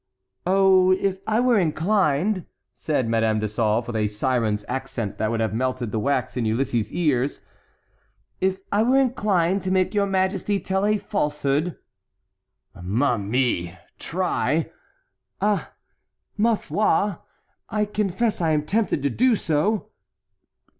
"Oh, if I were inclined," said Madame de Sauve, with a siren's accent that would have melted the wax in Ulysses' ears, "if I were inclined to make your majesty tell a falsehood"— "Ma mie, try"— "Ah, ma foi! I confess I am tempted to do so."